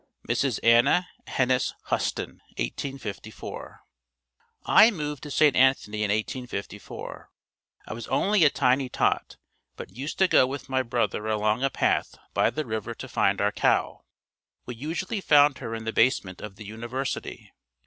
Mrs. Anna Hennes Huston 1854. I moved to St. Anthony in 1854. I was only a tiny tot but used to go with my brother along a path by the river to find our cow. We usually found her in the basement of the university.